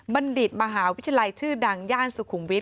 ดิตมหาวิทยาลัยชื่อดังย่านสุขุมวิทย